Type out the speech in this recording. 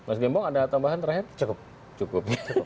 pak gubernur ada tambahan terakhir cukup cukup